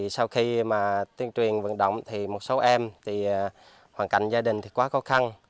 sau khi tuyên truyền vận động một số em hoàn cảnh gia đình quá khó khăn